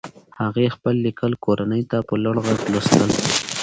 هغې خپل لیکل کورنۍ ته په لوړ غږ لوستل.